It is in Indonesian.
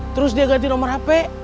terus dia ganti nomor hp